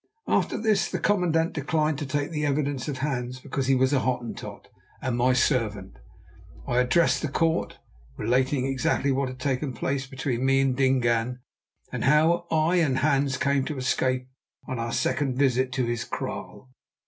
After this, as the commandant declined to take the evidence of Hans because he was a Hottentot and my servant, I addressed the court, relating exactly what had taken place between me and Dingaan, and how I and Hans came to escape on our second visit to his kraal.